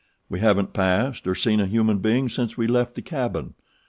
We haven't passed or seen a human being since we left the cabin.